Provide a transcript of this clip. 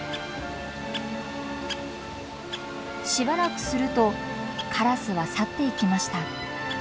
しばらくするとカラスは去っていきました。